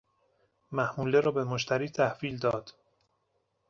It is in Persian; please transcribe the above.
محموله را به مشتری تحویل داد